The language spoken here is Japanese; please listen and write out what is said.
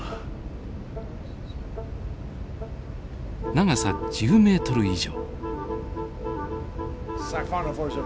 長さ１０メートル以上。